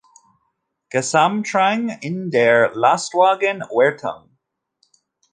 Gesamtrang in der Lastwagen Wertung.